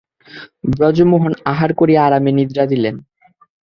ব্রজমোহন আহার করিয়া আরামে নিদ্রা দিলেন।